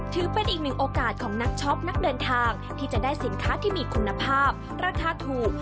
ถือเป็นอีกหนึ่งโอกาสของนักช็อปนักเดินทางที่จะได้สินค้าที่มีคุณภาพราคาถูก